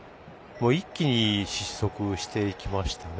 一気に失速していきました。